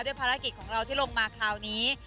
ภารกิจของเราที่ลงมาคราวนี้